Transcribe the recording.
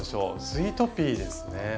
「スイートピー」ですね。